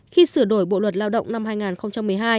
khi sửa đổi bộ luật lao động năm hai nghìn một mươi hai